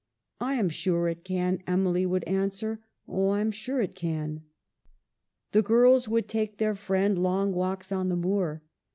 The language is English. " I am sure it can," Emily would answer. " Oh, I am sure it can." The girls would take their friend long walks on the moor.